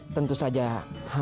tentu saja hamba bersedia